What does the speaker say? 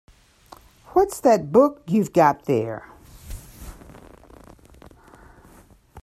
What's that book you've got there?